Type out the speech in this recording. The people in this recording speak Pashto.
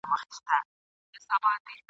د قرنونو توپانونو پښتانه کور ته راوړی ..